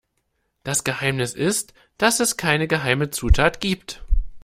Das Geheimnis ist, dass es keine geheime Zutat gibt.